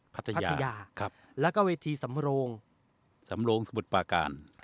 พัทยาพัทยาครับแล้วก็เวทีสำโลงสำโลงสมุทรปาการครับ